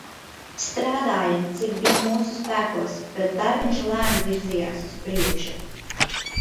Strādājām, cik bij mūsu spēkos, bet darbiņš lēni virzījās uz priekšu.